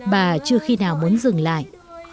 bà chưa khi nào muốn dừng lại